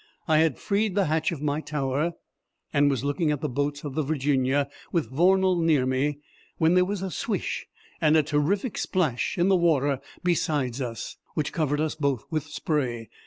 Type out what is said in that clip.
I had freed the hatch of my tower, and was looking at the boats of the Virginia with Vornal near me, when there was a swish and a terrific splash in the water beside us, which covered us both with spray.